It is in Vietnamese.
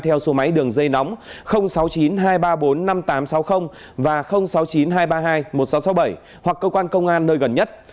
theo số máy đường dây nóng sáu mươi chín hai trăm ba mươi bốn năm nghìn tám trăm sáu mươi và sáu mươi chín hai trăm ba mươi hai một nghìn sáu trăm sáu mươi bảy hoặc cơ quan công an nơi gần nhất